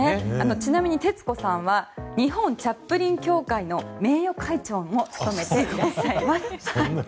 ちなみに徹子さんは日本チャップリン協会の名誉会長も務めています。